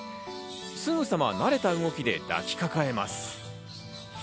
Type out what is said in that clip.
すぐさま慣れた動きで抱きかかえます。